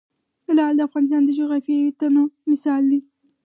لعل د افغانستان د جغرافیوي تنوع مثال دی.